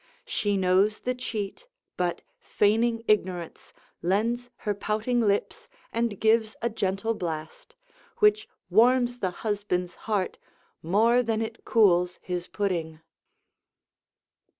She knows the cheat, but, feigning ignorance, lends her pouting lips and gives a gentle blast, which warms the husband's heart more than it cools his pudding.